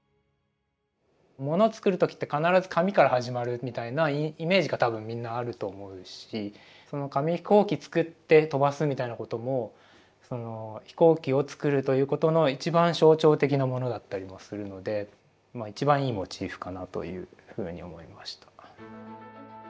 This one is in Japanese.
もの作る時って必ず紙から始まるみたいなイメージが多分みんなあると思うしその紙飛行機作って飛ばすみたいなこともその飛行機を作るということの一番象徴的なものだったりもするのでまあ一番いいモチーフかなというふうに思いました。